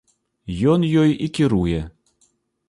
Ён ёй і кіруе.